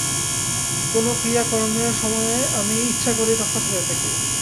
কোনো ক্রিয়াকর্মের সময়ে আমি ইচ্ছা করেই তফাত হয়ে থাকি।